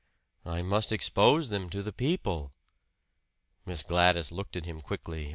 "I must expose them to the people." Miss Gladys looked at him quickly.